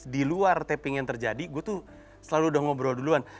di luar tapping yang terjadi gue tuh selalu udah ngobrol duluan